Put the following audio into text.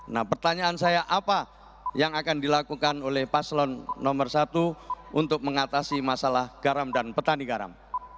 nah pertanyaan saya apa yang akan dilakukan oleh paslon nomor satu untuk mengatasi masalah garam dan petani garam